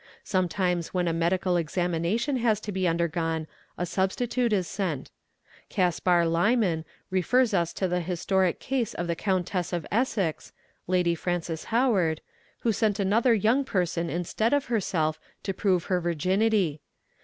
Sometimes when a medical examination has to be undergone a substitute is sent. Kaspar Limen refers us to the historic ( ase of the Countess of Essex (Lady Francis Howard) who sent another young person instead of herself to prove her virginity